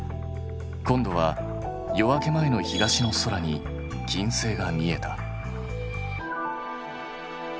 今度は夜明け前の東の空に金星が見えた。